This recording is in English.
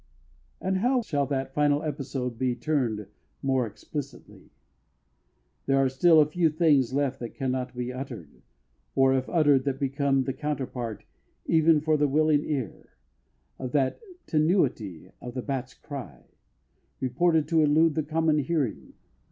And how shall that final episode be turned more explicitly? There are still a few things left that cannot be uttered, or, if uttered, that become the counterpart, even for the willing ear, of that "tenuity of the bat's cry" reported to elude the common hearing.